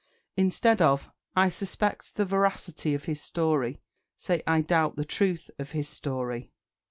Instead of "I suspect the veracity of his story," say "I doubt the truth of his story."